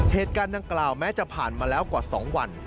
เหตุการณ์ดังกล่าวแม้จะผ่านมาแล้วกว่า๒วัน